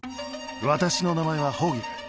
私の名前はホーギル。